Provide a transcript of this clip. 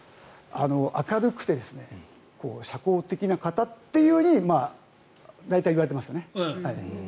明るくて社交的な方というふうに大体言われていますよね。